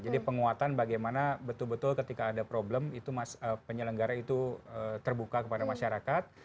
jadi penguatan bagaimana betul betul ketika ada problem penyelenggaranya itu terbuka kepada masyarakat